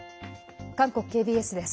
韓国ＫＢＳです。